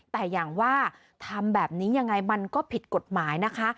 แต่อย่างว่าทำแบบนี้ยังไงมันก็ผิดกฎหมายนะคะ